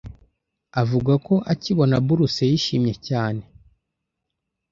Avuga ko akibona buruse yishimye cyane